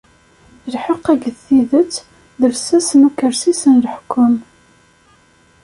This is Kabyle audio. Lḥeqq akked tidet, d llsas n ukersi-s n leḥkem.